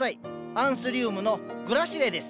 アンスリウムのグラシレです。